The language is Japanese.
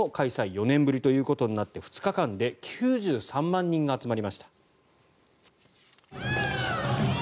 ４年ぶりとなって２日間で９３万人が集まりました。